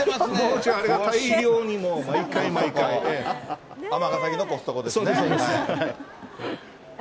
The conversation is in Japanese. うちは大量にもう、毎回、尼崎のコストコですね。